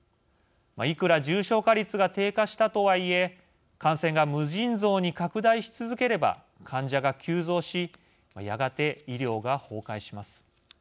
いくら重症化率が低下したとはいえ感染が無尽蔵に拡大し続ければ患者が急増しやがて医療が崩壊します。